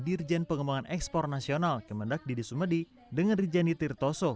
dirjen pengembangan ekspor nasional kemendak didi sumedi dengan dirjen yitir toso